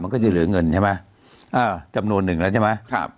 มันก็จะเหลือเงินใช่ไหมอ่าจำนวนหนึ่งแล้วใช่ไหมครับ